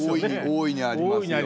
大いにありますよね。